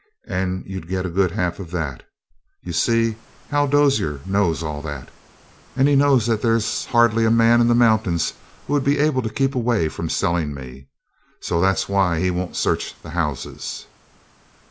And you'd get a good half of that. You see, Hal Dozier knows all that, and he knows there's hardly a man in the mountains who would be able to keep away from selling me. So that's why he won't search the houses."